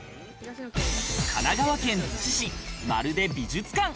神奈川県逗子市、まるで美術館！